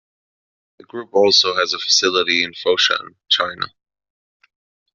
The Group also has a facility in Foshan, China.